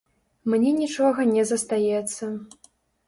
Мне нічога не застаецца.